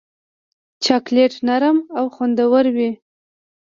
چاکلېټ نرم او خوندور وي.